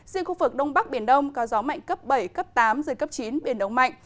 riêng khu vực đông bắc biển đông có gió mạnh cấp bảy cấp tám giới cấp chín biển động mạnh